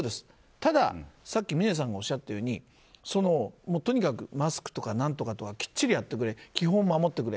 ただ、さっき峰さんがおっしゃったようにとにかく、マスクとか何とかをきっちりやってくれ基本を守ってくれ。